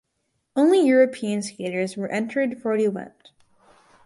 Only European skaters were entered for the event.